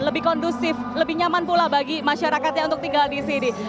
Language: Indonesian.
lebih kondusif lebih nyaman pula bagi masyarakat yang untuk tinggal di sini